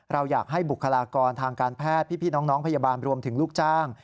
เราอยากให้บุคลากรทางการแพทย์พี่น้องพยาบาลรวมถึงลูกจ้าง